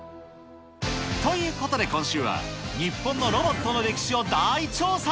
ということで今週は、日本のロボットの歴史を大調査。